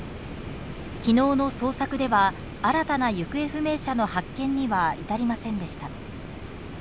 昨日の捜索では新たな行方不明者の発見には至りませんでした。